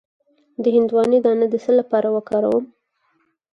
د هندواڼې دانه د څه لپاره وکاروم؟